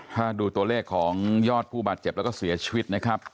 ถ้าดูตัวเลขของยอดผู้บาดเจ็บแล้วก็เสียชีวิตนะครับ